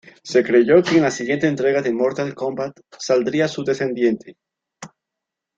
Se creyó que en la siguiente entrega de Mortal Kombat saldría su descendiente.